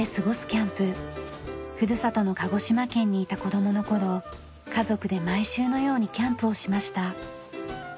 ふるさとの鹿児島県にいた子供の頃家族で毎週のようにキャンプをしました。